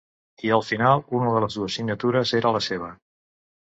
I al final una de les dues signatures era la seva.